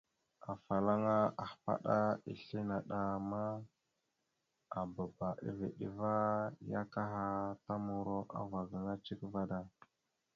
Afalaŋa ahpaɗá islé naɗ a ndaɗ ma, aababa a veɗ ava ya akaha ta muro agaba gaŋa cek vaɗ da.